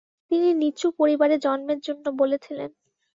তিনি নীচু পরিবারে জন্মের জন্য বলেছিলেন।